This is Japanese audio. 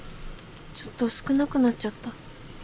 ちょっと少なくなっちゃった。